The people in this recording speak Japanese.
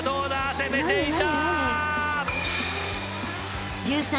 攻めていった！